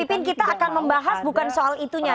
pipin kita akan membahas bukan soal itunya